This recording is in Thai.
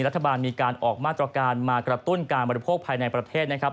รัฐบาลมีการออกมาตรการมากระตุ้นการบริโภคภายในประเทศนะครับ